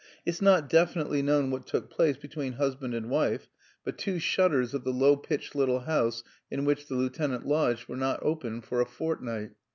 It's not definitely known what took place between husband and wife, but two shutters of the low pitched little house in which the lieutenant lodged were not opened for a fortnight.